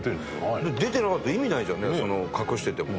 伊達：出てなかったら意味ないじゃんね、隠してても。